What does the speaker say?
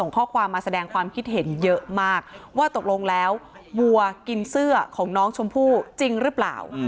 ข้อความมาแสดงความคิดเห็นเยอะมากว่าตกลงแล้ววัวกินเสื้อของน้องชมพู่จริงหรือเปล่า